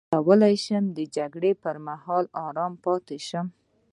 څنګه کولی شم د جګړې پر مهال ارام پاتې شم